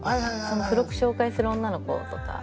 その付録紹介する女の子とか。